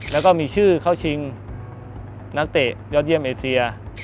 แล้วก็มีชื่อเข้าชิงนักเตะยอดเยี่ยมเอเซีย